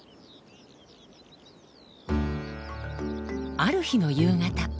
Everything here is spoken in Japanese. ある日の夕方。